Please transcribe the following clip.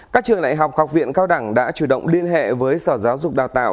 các trường đại học học viện cao đẳng đã chủ động liên hệ với sở giáo dục đào tạo